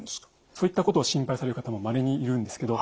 そういったことを心配される方もまれにいるんですけど